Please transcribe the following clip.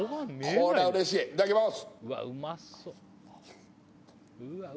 これは嬉しいいただきます